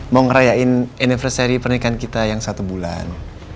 mau ngerayain anniversary pernikahan kita yang satu bulan